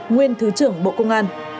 nguyên thứ trưởng bộ công an